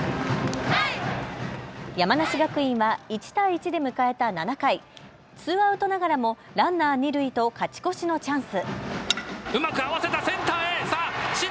山梨学院は１対１で迎えた７回、ツーアウトながらもランナー二塁と勝ち越しのチャンス。